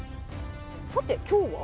さて、今日は？